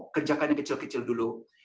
kerjakan yang kecil kecil dulu